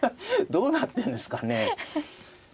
どうなってるんですかね。